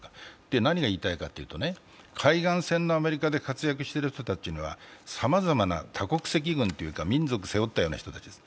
何がいいたいかというと海岸線のアメリカで活躍している人たちはさまざまな多国籍軍というか、民族を背負ったような人たちです。